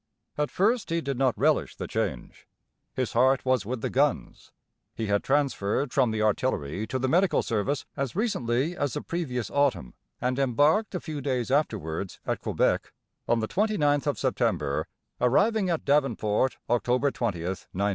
At first he did not relish the change. His heart was with the guns. He had transferred from the artillery to the medical service as recently as the previous autumn, and embarked a few days afterwards at Quebec, on the 29th of September, arriving at Davenport, October 20th, 1914.